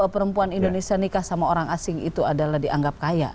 perempuan indonesia nikah sama orang asing itu adalah dianggap kaya